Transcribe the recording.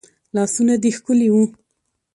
لاسونه دي ښکلي وه